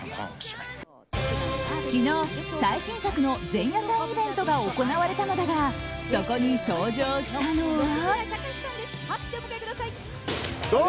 昨日、最新作の前夜祭イベントが行われたのだがそこに登場したのは。